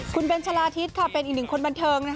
คุณเบนชะลาทิศเป็นอีกหนึ่งคนบันเทิง